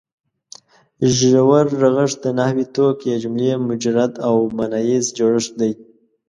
ژور رغښت د نحوي توک یا جملې مجرد او ماناییز جوړښت دی.